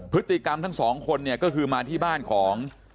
พฤติกรรมทั้งสองคนเนี่ยก็คือมาที่บ้านของ